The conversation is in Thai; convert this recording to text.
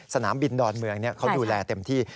สนามบินดอนเมืองเขาดูแลเต็มที่